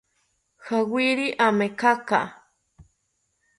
Jawiri amekaka